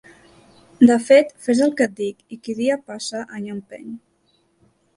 De fet fes el que et dic i qui dia passa any empeny.